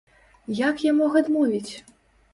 Як я мог адмовіць?